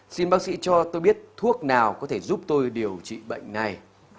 xin bác sĩ cho tôi biết thuốc nào có thể giúp tôi điều trị bệnh này